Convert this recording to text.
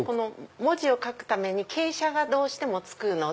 文字を書くために傾斜がどうしてもつくので。